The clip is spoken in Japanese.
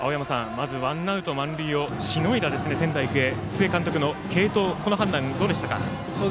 まずワンアウト満塁をしのいだ仙台育英の須江監督の継投この判断はどうでしたか？